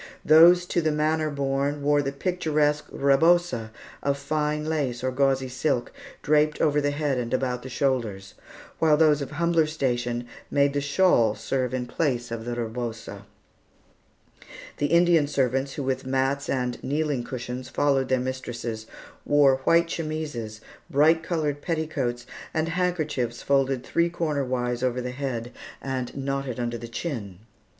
Those to the manor born wore the picturesque rebosa of fine lace or gauzy silk, draped over the head and about the shoulders; while those of humbler station made the shawl serve in place of the rebosa. The Indian servants, who with mats and kneeling cushions followed their mistresses, wore white chemises, bright colored petticoats, and handkerchiefs folded three cornerwise over the head and knotted under the chin.